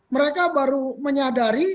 mereka baru menyadari